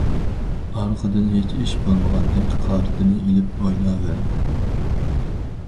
ئارقىدىن ھېچ ئىش بولمىغاندەك قارتنى ئېلىپ ئويناۋەردى.